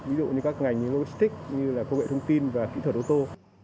ví dụ như các ngành logistics như là công nghệ thông tin và kỹ thuật ô tô